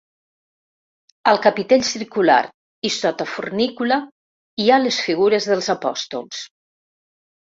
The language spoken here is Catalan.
Al capitell circular i sota fornícula hi ha les figures dels apòstols.